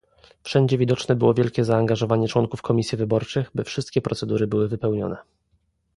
Wszędzie widoczne było wielkie zaangażowanie członków komisji wyborczych, by wszystkie procedury były wypełnione